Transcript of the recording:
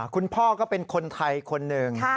คุณพ่อก็เป็นคนไทยคนนึง